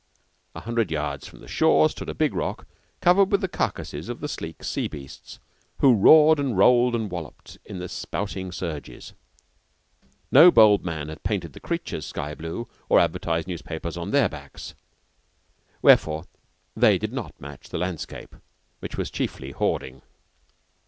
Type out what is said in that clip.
A hundred yards from the shore stood a big rock covered with the carcasses of the sleek sea beasts, who roared and rolled and walloped in the spouting surges. No bold man had painted the creatures sky blue or advertised newspapers on their backs, wherefore they did not match the landscape, which was chiefly hoarding.